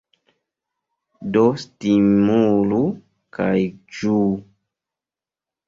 Do stimulu kaj ĝuu!